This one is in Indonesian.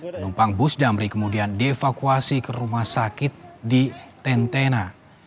penumpang bus damri kemudian dievakuasi ke rumah sakit di tentena